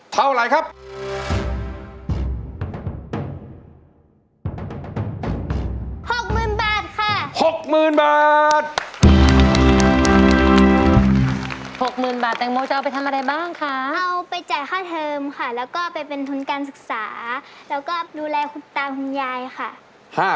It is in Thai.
พร้อมแล้วค่ะ